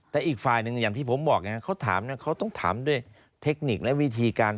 แต่อีกฝ่ายหนึ่งอย่างที่ผมบอกไงเขาถามนะเขาต้องถามด้วยเทคนิคและวิธีการ